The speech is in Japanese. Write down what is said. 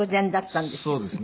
そうですね。